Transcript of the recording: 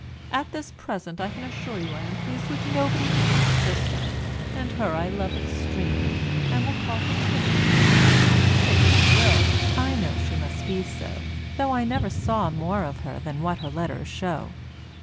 At this present I can assure you I am pleased with nobody but your sister, and her I love extremely, and will call her pretty; say what you will, I know she must be so, though I never saw more of her than what her letters show.